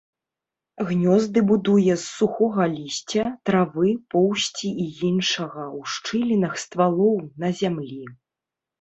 Гнёзды будуе з сухога лісця, травы, поўсці і іншага ў шчылінах ствалоў, на зямлі.